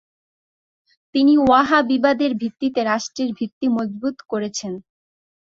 তিনি ওয়াহাবিবাদের ভিত্তিতে রাষ্ট্রের ভিত্তি মজবুত করেছেন।